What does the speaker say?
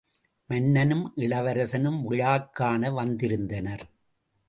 மன்னனும், இளவரசனும் விழாக் காண வந்திருந்தனர்.